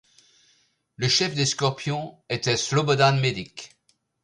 Le chef des Scorpions était Slobodan Medić.